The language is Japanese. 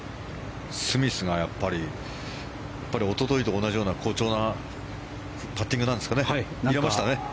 スミスがやっぱりおとといと同じような好調なパッティングなんですかね入れましたね。